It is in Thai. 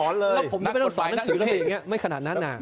แล้วผมไม่ต้องสอนหนังสือแล้วไม่ขนาดนั้น